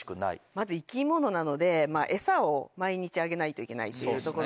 まず生き物なのでエサを毎日あげないといけないっていうところで。